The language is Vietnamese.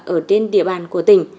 ở trên địa bàn của tỉnh